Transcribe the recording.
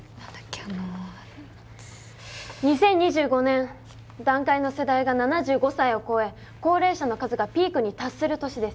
あの２０２５年団塊の世代が７５歳を超え高齢者の数がピークに達する年です